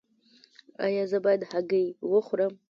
ایا زه باید هګۍ وخورم؟